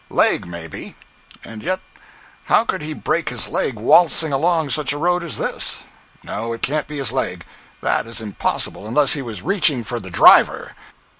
Leg, maybe—and yet how could he break his leg waltzing along such a road as this? No, it can't be his leg. That is impossible, unless he was reaching for the driver.